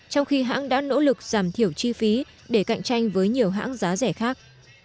trong khi hãng đã nỗ lực giảm thiểu chi phí để cạnh tranh với nhiều hãng giá rẻ khác